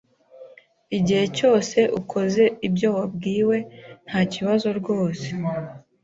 Igihe cyose ukoze ibyo wabwiwe, ntakibazo rwose.